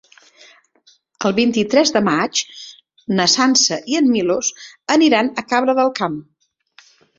El vint-i-tres de maig na Sança i en Milos aniran a Cabra del Camp.